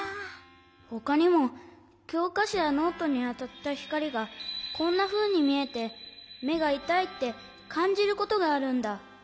ほかにもきょうかしょやノートにあたったひかりがこんなふうにみえてめがいたいってかんじることがあるんだ。